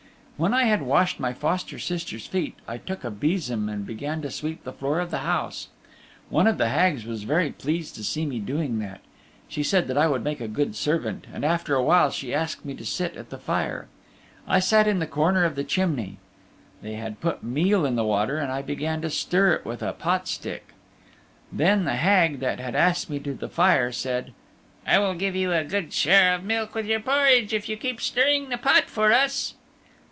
When I had washed my foster sister's feet I took a besom and began to sweep the floor of the house. One of the Hags was very pleased to see me doing that. She said I would make a good servant, and after a while she asked me to sit at the fire. I sat in the corner of the chimney. They had put meal in the water, and I began to stir it with a pot stick. Then the Hag that had asked me to the fire said, "I will give you a good share of milk with your porridge if you keep stirring the pot for us."